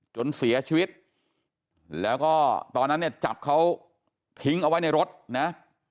จนเสียชีวิตแล้วก็ตอนนั้นเนี่ยจับเขาทิ้งเอาไว้ในรถนะ